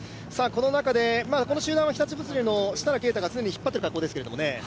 この中でこの集団は日立物流の設楽啓太が引っ張ってる格好ですね。